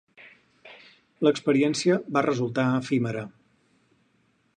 L'experiència va resultar efímera.